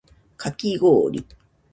かきごおり